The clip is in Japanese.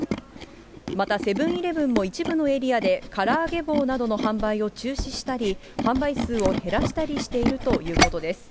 またセブンーイレブンも一部のエリアで、からあげ棒などの販売を中止したり、販売数を減らしたりしているということです。